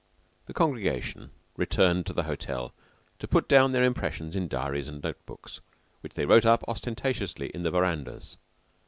The congregation returned to the hotel to put down their impressions in diaries and note books, which they wrote up ostentatiously in the verandas.